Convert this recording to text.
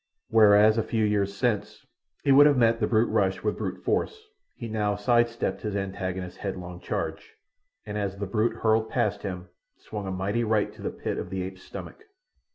Whereas, a few years since, he would have met the brute rush with brute force, he now sidestepped his antagonist's headlong charge, and as the brute hurtled past him swung a mighty right to the pit of the ape's stomach.